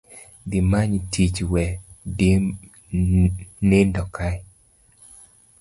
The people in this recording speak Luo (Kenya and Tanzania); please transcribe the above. Dhi many tiich we ndindo kae